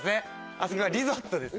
あそこがリゾットです。